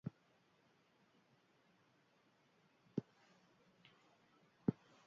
Teologia- eta psikologia-ikasketak egin zituen.